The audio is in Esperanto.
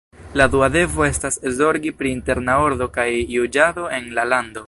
La dua devo estas zorgi pri interna ordo kaj juĝado en la lando.